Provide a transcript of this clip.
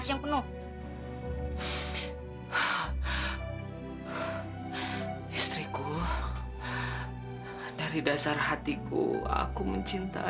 sampai jumpa di video selanjutnya